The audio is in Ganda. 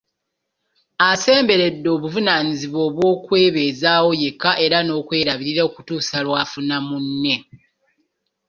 Asemberedde obuvunaanyizibwa obw'okwebeezaawo yekka era n'okwerabirira okutuusa lw'afuna munne.